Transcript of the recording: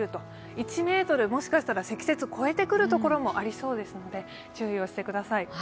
１ｍ、もしかしたら積雪を超えてくるところもありそうなので注意をしてください。